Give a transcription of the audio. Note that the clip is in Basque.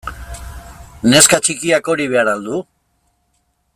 Neska txikiak hori behar al du?